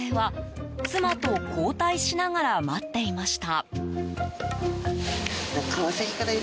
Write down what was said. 先頭の男性は妻と交代しながら待っていました。